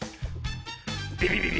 ビビビビ！